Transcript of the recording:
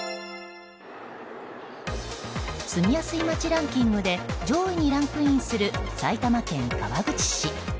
住みやすい街ランキングで上位にランクインする埼玉県川口市。